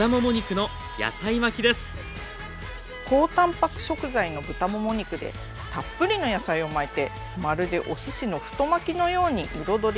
高たんぱく食材の豚もも肉でたっぷりの野菜を巻いてまるでおすしの太巻きのように彩り鮮やかに仕上げました。